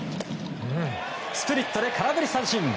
スプリットで空振り三振。